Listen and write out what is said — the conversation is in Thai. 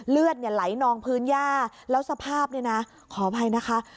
เลือดเนี่ยไหลนองพื้นย่าแล้วสภาพเนี่ยนะขออภัยนะคะ